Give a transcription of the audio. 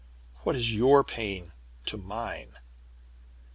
What is your pain to mine?"